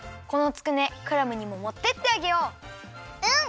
このつくねクラムにももってってあげよう。